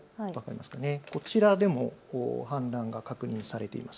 こちらでも氾濫が確認されています。